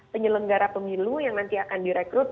penyelenggara pemilu yang nanti akan direkrut